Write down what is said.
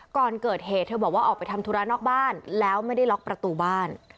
ก่อนเกิดเหตุเธอบอกว่าออกไปทำธุระนอกบ้านแล้วไม่ได้ล็อกประตูบ้าน